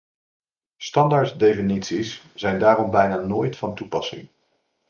Standaard definities zijn daarom bijna nooit van toepassing.